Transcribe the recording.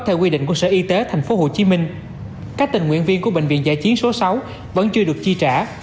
theo quy định của sở y tế tp hcm các tình nguyện viên của bệnh viện giải chiến số sáu vẫn chưa được chi trả